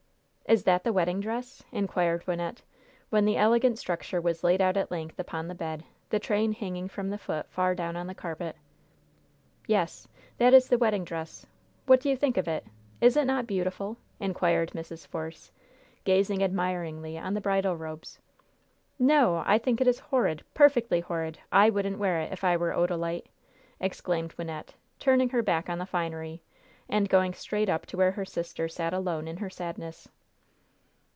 "Is that the wedding dress?" inquired Wynnette, when the elegant structure was laid out at length upon the bed, the train hanging from the foot far down on the carpet. "Yes, that is the wedding dress. What do you think of it? Is it not beautiful?" inquired Mrs. Force, gazing admiringly on the bridal robes. "No! I think it is horrid! Perfectly horrid! I wouldn't wear it if I were Odalite!" exclaimed Wynnette, turning her back on the finery, and going straight up to where her sister sat alone in her sadness.